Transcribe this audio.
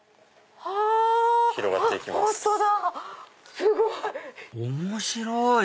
すごい！面白い！